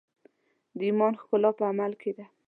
د ایمان ښکلا په عمل کې ده.